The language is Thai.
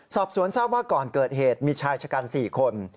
สอบสวนทราบว่าก่อนเกิดเหตุมีชายชะกัน๔คน